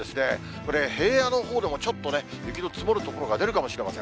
これ、平野のほうでもちょっとね、雪の積もる所が出るかもしれません。